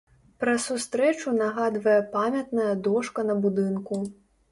Пра сустрэчу нагадвае памятная дошка на будынку.